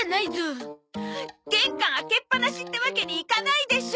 玄関開けっぱなしってわけにいかないでしょ！